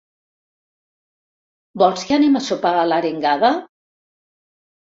¿Vols que anem a sopar a l'Arengada?